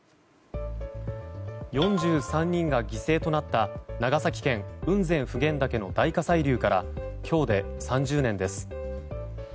４３人が犠牲となった長崎県、雲仙・普賢岳の大火砕流から今日で３０年です。